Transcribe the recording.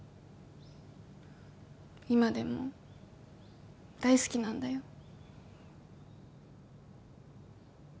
今でも大好きなんだよ